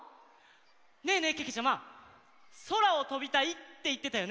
ねえねえけけちゃまそらをとびたいっていってたよね。